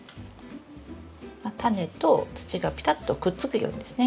タネと土がピタッとくっつくようにですね。